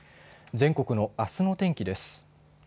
全国のあすの天気です。